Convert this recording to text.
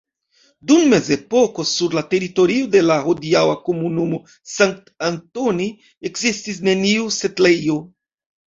Dum mezepoko sur la teritorio de la hodiaŭa komunumo Sankt-Antoni ekzistis neniu setlejo.